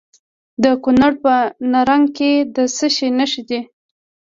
د کونړ په نرنګ کې د څه شي نښې دي؟